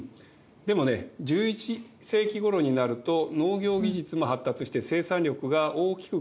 でもね１１世紀ごろになると農業技術も発達して生産力が大きく向上したんです。